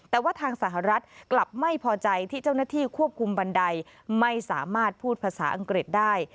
แต่ว่าทางสหรัฐกลับไม่พอใจที่เจ้าหน้าที่ควบคุมบันไดไม่สามารถพูดภาษาอังกฤษได้